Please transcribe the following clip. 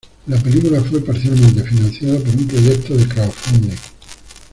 La película fue parcialmente financiada por un proyecto de crowdfunding.